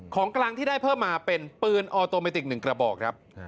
ของกลางที่ได้เพิ่มมาเป็นปืนออโตเมติก๑กระบอกครับ